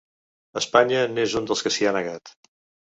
Espanya n’és un dels que s’hi ha negat.